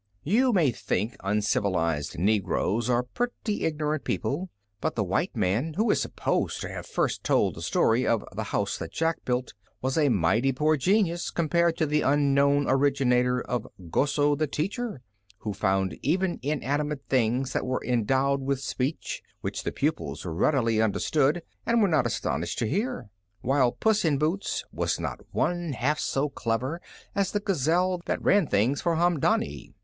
You may think uncivilized negroes are pretty ignorant people, but the white man who is supposed to have first told the story of "The House that Jack Built" was a mighty poor genius compared with the unknown originator of "Goso, the Teacher," who found even inanimate things that were endowed with speech, which the pupils readily understood and were not astonished to hear; while "Puss in Boots" was not one half so clever as the gazelle that ran things for Haamdaanee.